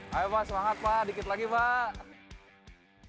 hai pak semangat pak dikit lagi pak